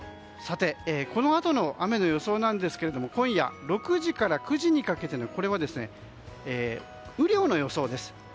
このあとの雨の予想ですが今夜６時から９時にかけての雨量の予想です。